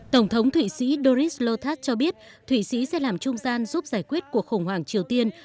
tổng thống thụy sĩ doris lotat cho biết thụy sĩ sẽ làm trung gian giúp giải quyết cuộc khủng hoảng triều tiên